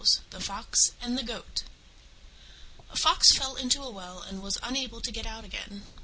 THE FOX AND THE GOAT A Fox fell into a well and was unable to get out again.